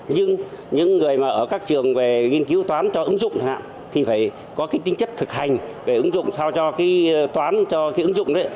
nhưng những người ở các trường nghiên cứu toán cho ứng dụng thì phải có tính chất thực hành để ứng dụng sao cho toán cho ứng dụng